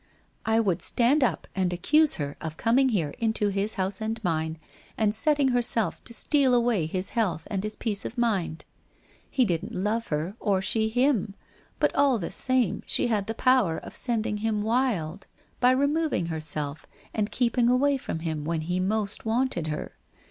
' I would stand up and accuse her of coming here into his house and mine and setting herself to steal away his health and his peace of mind. He didn't love her, or she him; but all the same she had the power of sending him wild by removing herself and keeping away from him when he most wanted her.